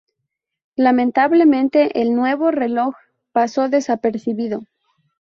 Lamentablemente el nuevo "Reloj" pasó desapercibido.